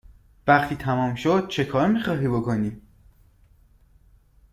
وقتی تمام شد چکار می خواهی بکنی؟